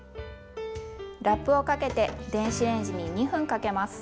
ラップをかけて電子レンジに２分かけます。